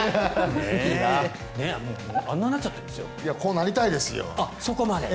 こうなりたいですよ。